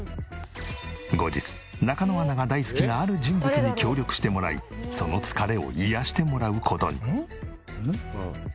後日中野アナが大好きなある人物に協力してもらいその疲れを癒やしてもらう事に。